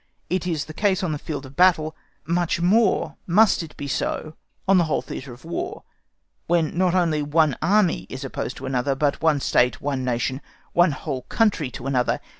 It is the case on the field of battle, much more must it be so on the whole theatre of war, where not only one Army is opposed to another, but one State, one Nation, one whole country to another.